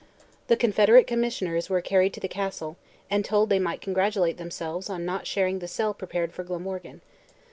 The Confederate Commissioners were carried to the castle, and told they might congratulate themselves on not sharing the cell prepared for Glamorgan.